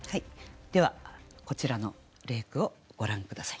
ではこちらの例句をご覧下さい。